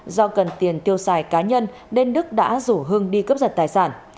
do cần tiền tiêu xài cá nhân nên đức đã rủ hưng đi cướp giật tài sản